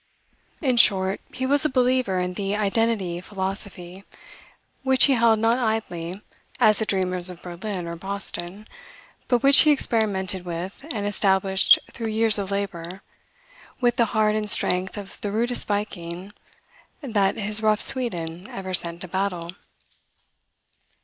In short, he was a believer in the Identity philosophy, which he held not idly, as the dreamers of Berlin or Boston, but which he experimented with and established through years of labor, with the heart and strength of the rudest Viking that his rough Sweden ever sent to battle.